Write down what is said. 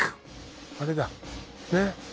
あれだねっ！